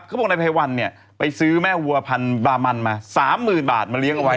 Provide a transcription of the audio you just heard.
เขาบอกนายไพวันเนี่ยไปซื้อแม่วัวพันธรามันมา๓๐๐๐บาทมาเลี้ยงเอาไว้